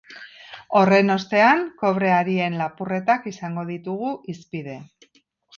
Horren ostean, kobre harien lapurretak izango ditugu hizpide.